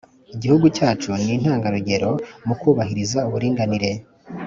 igihugu cyacu ni intangarugero mu kubahiriza uburinganire